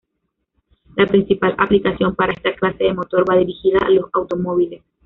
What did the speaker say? La principal aplicación para esta clase de motor va dirigida a los automóviles.